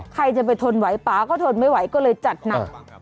ใครจะไปทนไหวป่าก็ทนไม่ไหวก็เลยจัดหนัก